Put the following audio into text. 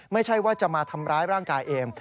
ไม่ใช่ว่าจะมาทำร้ายร่างกายเอง